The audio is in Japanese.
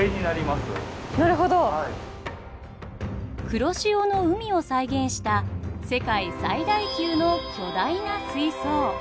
黒潮の海を再現した世界最大級の巨大な水槽。